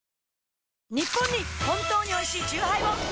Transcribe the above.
ニッポンに本当においしいチューハイを！